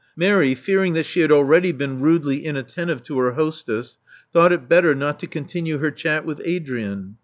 Mary, fearing that she had already been rudely inattentive to her hostess, thought it better not to continue her chat with Adrian.